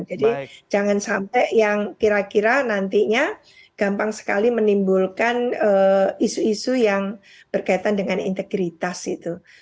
jadi jangan sampai yang kira kira nantinya gampang sekali menimbulkan isu isu yang berkaitan dengan integritas gitu